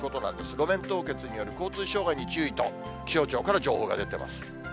路面凍結による交通障害に注意と、気象庁から情報が出てます。